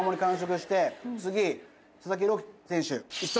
次佐々木朗希選手。